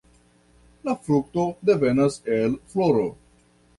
La frukto devenas el floro.